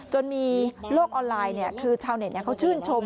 จนมีโลกออนไลน์คือชาวเน็ตเขาชื่นชม